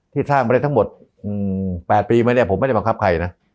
สร้างมาได้ทั้งหมด๘ปีมาเนี่ยผมไม่ได้บังคับใครนะ